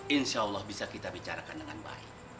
insya allah bisa kita bicarakan dengan baik